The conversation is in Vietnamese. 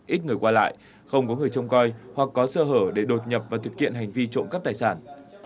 ít người qua lại không có người trông coi hoặc có sơ hở để đột nhập và thực hiện hành vi trộm cắp tài sản